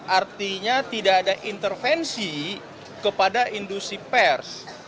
artinya tidak ada intervensi kepada industri pers